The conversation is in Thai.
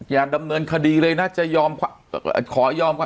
อย่าดำเนินคดีเลยนะจะยอมขอยอมความ